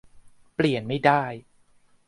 เปลี่ยนไม่ได้